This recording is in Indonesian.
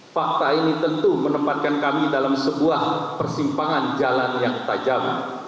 fakta ini tentu menempatkan kami dalam sebuah persimpangan jalan yang tajam